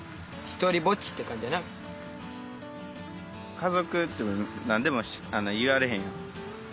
家族って何でも言われへんやん。